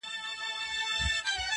سپین اغوستي لکه بطه غوندي ښکلی؛